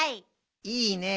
いいねえ。